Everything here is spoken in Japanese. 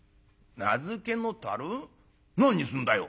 何にすんだよ」。